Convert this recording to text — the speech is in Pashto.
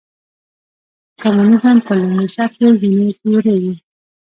کمونیزم په لومړي سر کې ځینې تیورۍ وې.